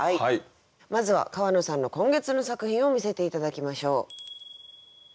まずは川野さんの今月の作品を見せて頂きましょう。